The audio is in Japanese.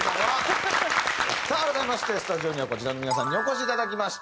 さあ改めましてスタジオにはこちらの皆さんにお越しいただきました。